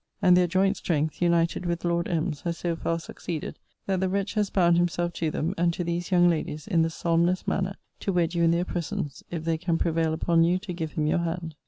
And their joint strength, united with Lord M.'s, has so far succeeded, that the wretch has bound himself to them, and to these young ladies, in the solemnest manner, to wed you in their presence, if they can prevail upon you to give him your hand.